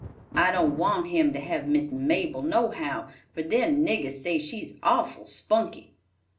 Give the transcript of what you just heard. I don't want him to have Miss Mabel nohow; for their niggers say she's awful spunky."